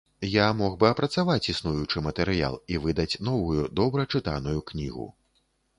Я мог бы апрацаваць існуючы матэрыял і выдаць новую, добра чытаную кнігу.